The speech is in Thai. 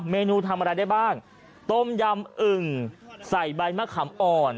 เมนูทำอะไรได้บ้างต้มยำอึ่งใส่ใบมะขามอ่อน